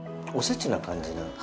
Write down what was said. おせちな感じな。